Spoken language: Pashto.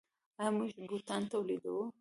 آیا موږ بوټان تولیدوو؟